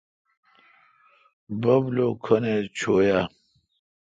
بب لو کھن ایچ چویہ۔